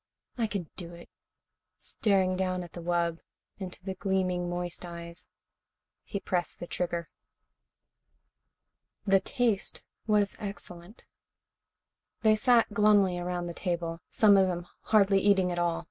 I can do it." Staring down at the wub, into the gleaming, moist eyes, he pressed the trigger. The taste was excellent. They sat glumly around the table, some of them hardly eating at all.